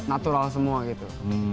jadi natural semua gitu